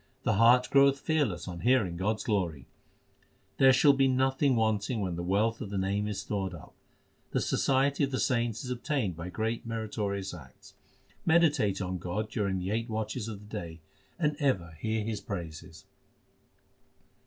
The heart groweth fearless on hearing God s glory . There shall be nothing wanting when the wealth of the Name is stored up. The society of the saints is obtained by greatly meritorious acts. Meditate on God during the eight watches of the day, and ever hear His praises.